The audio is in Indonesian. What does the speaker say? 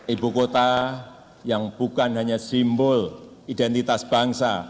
ibu kota yang bukan hanya simbol identitas bangsa